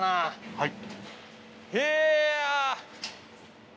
はい。